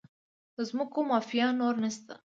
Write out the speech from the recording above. د ځمکو مافیا نور نشته؟